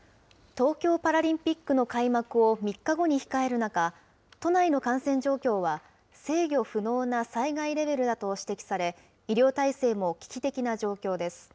東京パラリンピックの開幕を３日後に控える中、都内の感染状況は制御不能な災害レベルだと指摘され、医療体制も危機的な状況です。